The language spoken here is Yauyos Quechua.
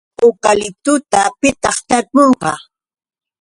¿Ukaliptuta pitaq tarpunqa?